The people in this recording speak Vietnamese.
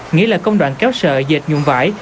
nghĩa là công đoạn kéo sợi dệt nhuộm vải